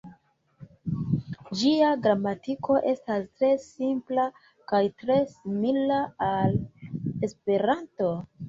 Ĝia gramatiko estas tre simpla kaj tre simila al Esperanto.